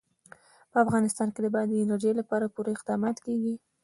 په افغانستان کې د بادي انرژي لپاره پوره اقدامات کېږي.